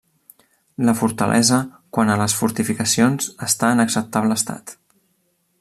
La fortalesa quant a les fortificacions està en acceptable estat.